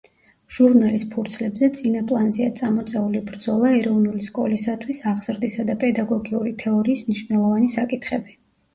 ჟურნალის ფურცლებზე წინა პლანზეა წამოწეული ბრძოლა ეროვნული სკოლისათვის, აღზრდისა და პედაგოგიური თეორიის მნიშვნელოვანი საკითხები.